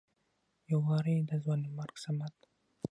يو وارې د ځوانيمرګ صمد